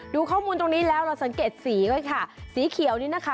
ดูข้อมูลตรงนี้แล้วเราสังเกตสีไว้ค่ะสีเขียวนี่นะคะ